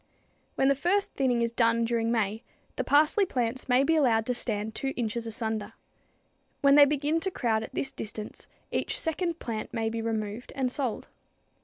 When the first thinning is done during May, the parsley plants may be allowed to stand 2 inches asunder. When they begin to crowd at this distance each second plant may be removed and sold.